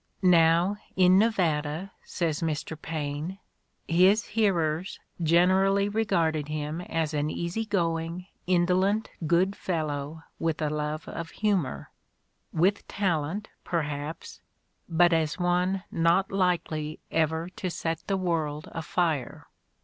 Now, in Nevada, says Mr. Paine, '' his hearers generally regarded him as an easy going, indolent good fellow with a love of humor — with talent, perhaps — but as one not likely ever to set the world afire."